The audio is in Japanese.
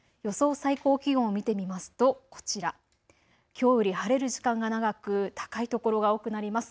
最高気温を見てみますとこちら、きょうより晴れる時間が長く、高い所が多くなります。